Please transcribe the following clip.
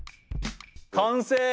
完成。